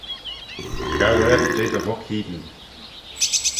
Gow ark jeh dty vuck hene